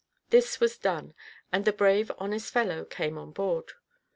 This was done, and the brave, honest fellow came on board.